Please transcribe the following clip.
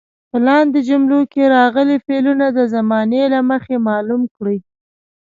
په لاندې جملو کې راغلي فعلونه د زمانې له مخې معلوم کړئ.